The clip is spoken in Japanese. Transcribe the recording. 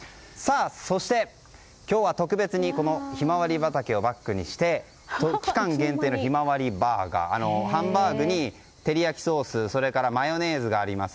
そして、今日は特別にヒマワリ畑をバックにして期間限定のひまわりバーガーハンバーグに照り焼きソースマヨネーズがあります。